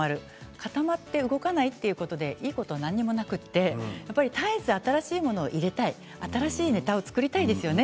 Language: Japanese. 固まって動かないということでいいことは何もなくて絶えず新しいものを入れたい新しいネタを作りたいですよね。